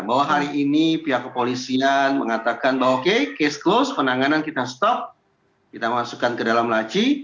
bahwa hari ini pihak kepolisian mengatakan bahwa oke case close penanganan kita stop kita masukkan ke dalam laci